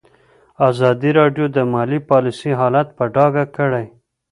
ازادي راډیو د مالي پالیسي حالت په ډاګه کړی.